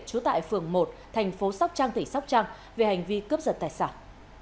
trú tại phường một thành phố sóc trăng tỉnh sóc trăng về hành vi cướp giật tài sản